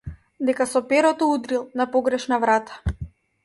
Дека со перото удрил на погрешна врата.